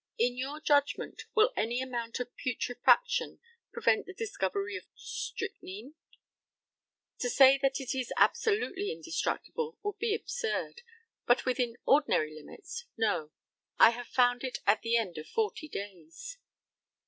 In your judgment will any amount of putrefaction prevent the discovery of strychnine? To say that it is absolutely indestructible would be absurd, but within ordinary limits, no. I have found it at the end of forty days.